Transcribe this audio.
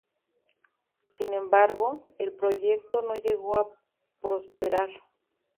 Sin embargo, el proyecto no llegó a prosperar.